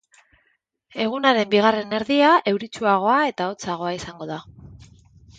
Egunaren bigarren erdia euritsuagoa eta hotzagoa izango da.